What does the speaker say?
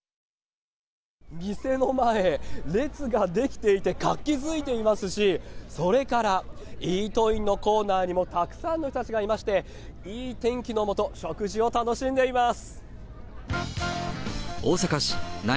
店の前、列が出来ていて、活気づいていますし、それからイートインのコーナーにも、たくさんの人たちがいまして、いい天気の下、食事を楽しんでいます。